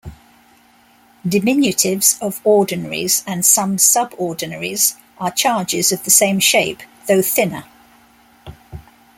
Diminutives of ordinaries and some subordinaries are charges of the same shape, though thinner.